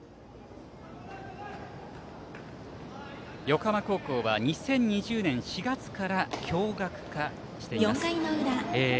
横浜高校は２０２０年４月から共学化しています。